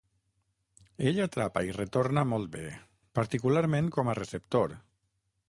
Ell atrapa i retorna molt bé, particularment com a receptor.